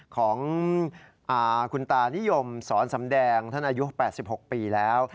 ของคุณตานิยมสอนสำแดงท่านอายุ๘๖ปีแล้ว